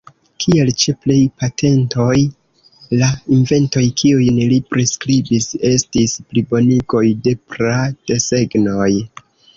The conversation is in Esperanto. Kiel ĉe plej patentoj, la inventoj kiujn li priskribis estis plibonigoj de pra-desegnoj.